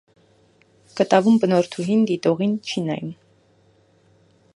Կտավում բնորդուհին դիտողին չի նայում։